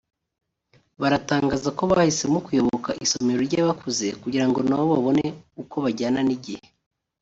baratangaza ko bahisemo kuyoboka isomero ry’abakuze kugira ngo nabo babone uko bajyana n’igihe